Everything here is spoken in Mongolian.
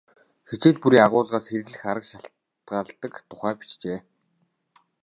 Хичээл бүрийн агуулгаас хэрэглэх арга шалтгаалдаг тухай бичжээ.